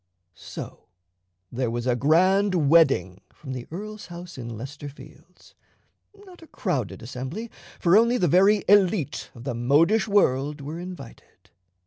So there was a grand wedding from the earl's house in Leicester Fields; not a crowded assembly, for only the very élite of the modish world were invited.